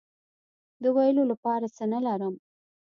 د ویلو لپاره څه نه لرم